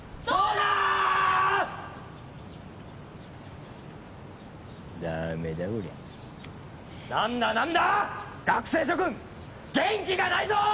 そうだー！